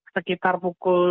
sekitar pukul sepuluh